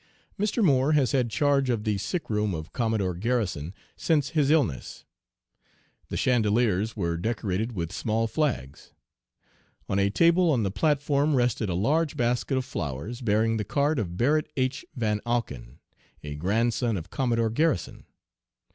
Mr. Moore has had charge of the sick room of Commodore Garrison since his illness. The chandeliers were decorated with small flags. On a table on the platform rested a large basket of flowers, bearing the card of Barrett H. Van Auken, a grandson of Commodore Garrison.